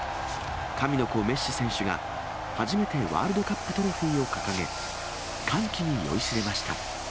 神の子、メッシ選手が初めてワールドカップトロフィーを掲げ、歓喜に酔いしれました。